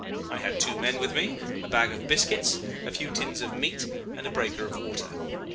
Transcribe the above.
I had two men with me, a bag of biscuits, a few tins of meat, and a breaker of water.